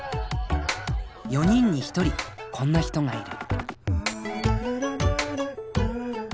４人に１人こんな人がいる。